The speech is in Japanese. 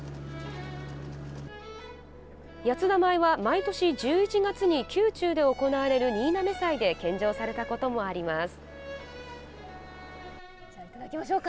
谷津田米は毎年１１月に宮中で行われる新嘗祭で献上されたこともあります。